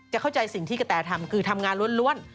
เข้าใจสิ่งที่กระแตทำคือทำงานล้วน